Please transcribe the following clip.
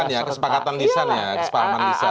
lisan ya kesepakatan lisan ya kesepahaman lisan